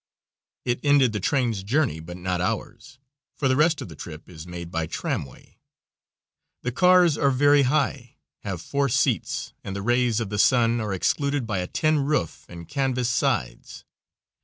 It ended the train's journey, but not ours, for the rest of the trip is made by tramway. The cars are very high, have four seats, and the rays of the sun are excluded by a tin roof and canvas sides.